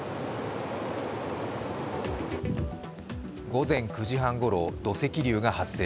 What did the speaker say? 午前９時半ごろ、土石流が発生。